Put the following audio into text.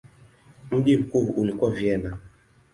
Mji mkuu ulikuwa Vienna.